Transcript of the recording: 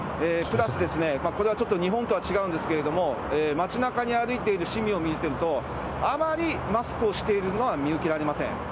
プラス、これはちょっと日本とは違うんですけれども、街なかに歩いている市民を見ていると、あまりマスクをしてるのは見受けられません。